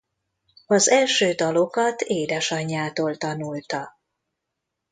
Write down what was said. Az első dalokat édesanyjától tanulta.